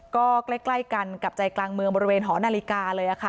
ก็ใกล้กันกับใจกลางเมืองบริเวณหอนาฬิกาเลยค่ะ